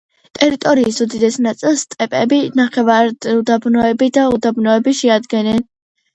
ტერიტორიის უდიდეს ნაწილს სტეპები, ნახევარუდაბნოები და უდაბნოები შეადგენენ.